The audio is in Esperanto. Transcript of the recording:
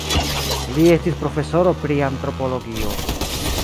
Li estis profesoro pri antropologio.